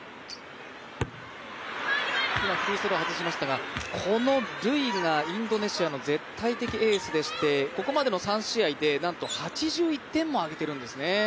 今フリースロー外しましたがルイが、インドネシアの絶対的エースでしてここまでの３試合でなんと８１点も挙げてるんです。